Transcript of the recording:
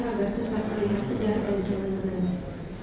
agar tetap terlihat cedera dan jangan menangis